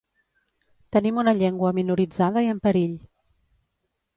Tenim una llengua minoritzada i en perill.